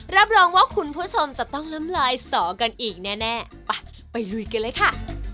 รับรองว่าคุณผู้ชมจะต้องน้ำลายสอกันอีกแน่ไปไปลุยกันเลยค่ะ